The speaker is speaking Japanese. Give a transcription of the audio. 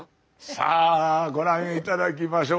さあご覧頂きましょう。